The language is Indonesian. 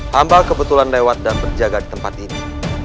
hamba kebetulan lewat dan berjaga di tempat ini